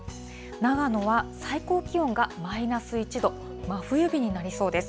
長野は最高気温がマイナス１度、真冬日になりそうです。